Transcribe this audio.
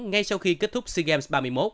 ngay sau khi kết thúc sea games ba mươi một